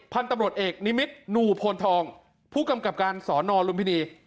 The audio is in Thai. พันธุ์ตำรวจเอกนิมิตรหนูพลทองผู้กำกับการสอนอลุมพินี